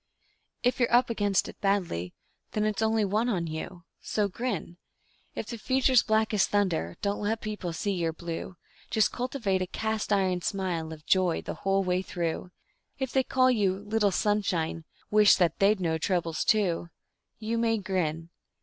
If you're up against it badly, then it's only one on you, So grin. If the future's black as thunder, don't let people see you're blue; Just cultivate a cast iron smile of joy the whole day through; If they call you "Little Sunshine", wish that THEY'D no troubles, too You may grin.